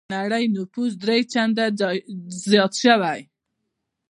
نړۍ نفوس درې چنده زيات شوی.